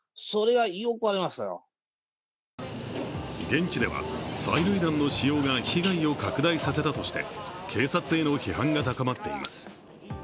現地では催涙弾の使用が被害を拡大させたとして警察への批判が高まっています。